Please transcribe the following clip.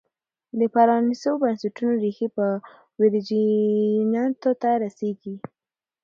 د پرانیستو بنسټونو ریښې په ویرجینیا ته رسېږي.